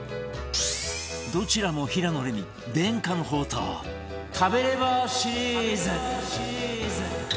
どちらも平野レミ伝家の宝刀食べればシリーズ